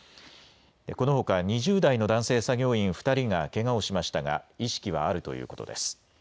このほか２０代の男性作業員２人がけがをしましたが意識はあるということです。